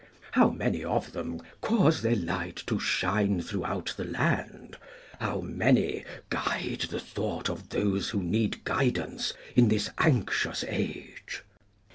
How many of them cause their light to shine throughout the land? How many guide the thought of those who need guidance in this anxious age?